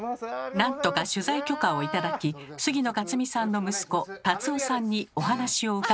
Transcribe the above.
何とか取材許可を頂き杉野勝見さんの息子龍夫さんにお話を伺うことに。